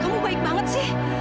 kamu baik banget sih